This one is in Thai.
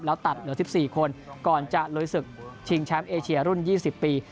แล้วตัดเหลือ๑๔คนก่อนจะลุยศึกชิงแชมป์เอเชียรุ่น๒๐ปี